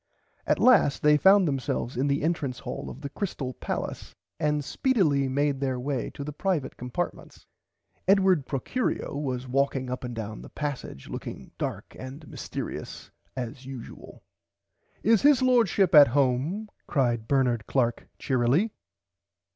At last they found themselves in the entrance hall of the Crystale palace and speedily made their way to the privite compartments. Edward Procurio was walking up and down the passage looking dark and mystearious as usual. Is His Lordship at home cried Bernard Clark cheerily.